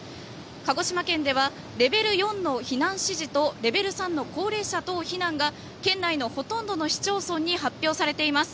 鹿児島県ではレベル４の避難指示とレベル３の高齢者等避難が県内のほとんどの市町村に発表されています。